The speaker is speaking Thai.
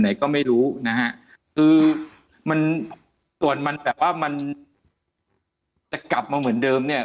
ไหนก็ไม่รู้นะฮะคือมันส่วนมันแบบว่ามันจะกลับมาเหมือนเดิมเนี่ย